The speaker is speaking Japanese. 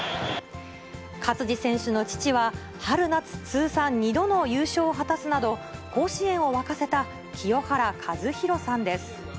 勝児選手の父は、春夏通算２度の優勝を果たすなど、甲子園を沸かせた、清原和博さんです。